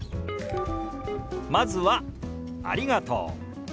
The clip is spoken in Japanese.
まずは「ありがとう」。